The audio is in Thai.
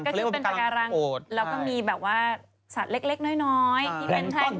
ก็คือเป็นปากการังแล้วก็มีสัตว์เล็กน้อยที่เป็นแท้งต้อนเกิด